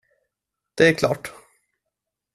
Det är klart.